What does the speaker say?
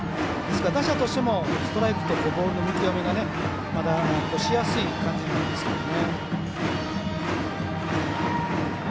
打者としてもストライクとボールの見極めがしやすい感じなんですけどね。